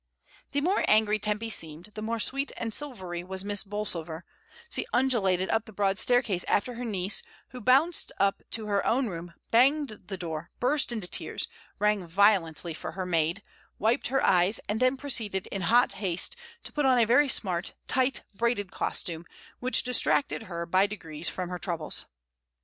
The more angry Tempy seemed, the more sweet and silvery was Miss Bolsover; she undulated up the broad staircase after her niece, who bounced up to her own room, banged the door, burst into tears, rang violently for her maid, wiped her eyes, and then proceeded in hot haste to put on a very smart, tight, braided costume, which distracted her by degrees from her troubles.